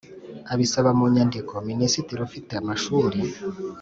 abisaba mu nyandiko Minisitiri ufite amashuri